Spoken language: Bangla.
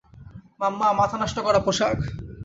মাম্মাহ, মাথা নষ্ট করা পোশাক!